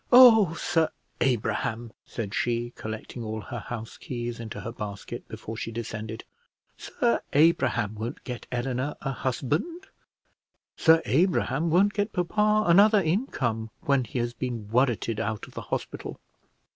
"Oh, Sir Abraham!" said she, collecting all her house keys into her basket before she descended; "Sir Abraham won't get Eleanor a husband; Sir Abraham won't get papa another income when he has been worreted out of the hospital.